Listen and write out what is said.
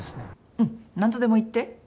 うん何とでも言って。